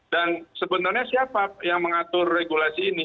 dan sebenarnya siapa yang mengatur regulasi ini